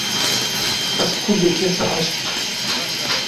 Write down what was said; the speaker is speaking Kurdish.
Ez kurdekî serhişk im.